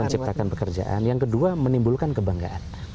menciptakan pekerjaan yang kedua menimbulkan kebanggaan